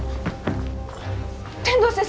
天堂先生